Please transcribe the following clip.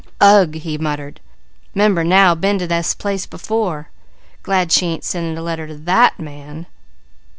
"Ugh!" he muttered. "'Member now been to this place before! Glad she ain't sending a letter to that man."